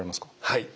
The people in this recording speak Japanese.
はい。